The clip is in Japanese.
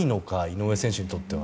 井上選手にとっては。